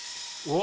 お！